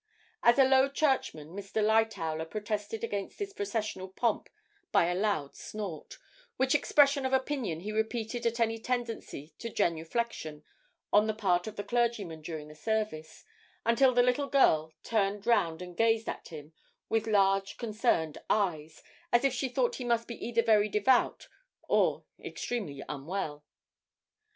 As a Low Churchman Mr. Lightowler protested against this processional pomp by a loud snort, which expression of opinion he repeated at any tendency to genuflexion on the part of the clergyman during the service, until the little girl turned round and gazed at him with large concerned eyes, as if she thought he must be either very devout or extremely unwell.